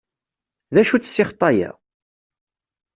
D acu-tt ssixṭa-a?